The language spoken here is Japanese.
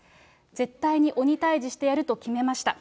絶対に鬼退治してやると決めました。